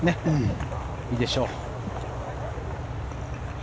いいでしょう。